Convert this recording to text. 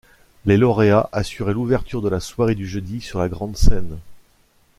Les lauréats assuraient l’ouverture de la soirée du jeudi sur la grande scène.